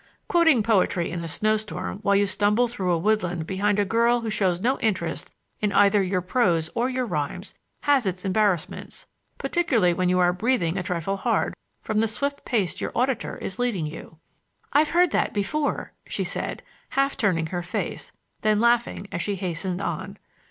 Quoting poetry in a snow storm while you stumble through a woodland behind a girl who shows no interest in either your prose or your rhymes has its embarrassments, particularly when you are breathing a trifle hard from the swift pace your auditor is leading you. "I have heard that before," she said, half turning her face, then laughing as she hastened on.